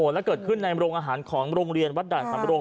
และเกิดขึ้นในโรงอาหารของโรงเรียนวัดด่านสำโรง